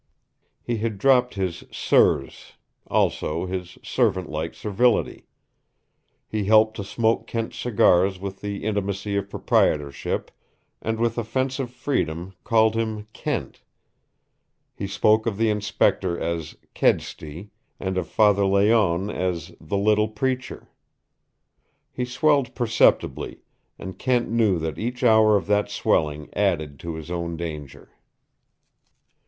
He had dropped his "sirs," also his servant like servility. He helped to smoke Kent's cigars with the intimacy of proprietorship, and with offensive freedom called him "Kent." He spoke of the Inspector as "Kedsty," and of Father Layonne as "the little preacher." He swelled perceptibly, and Kent knew that each hour of that swelling added to his own danger.